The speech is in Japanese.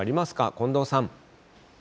近藤さん。